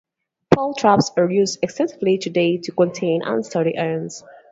Paul traps are used extensively today to contain and study ions.